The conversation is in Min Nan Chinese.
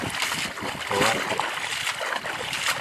桃仔色